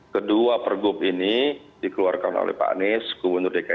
kedua pergub ini dikeluarkan oleh pak anies gubernur dki jakarta